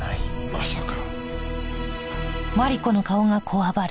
まさか。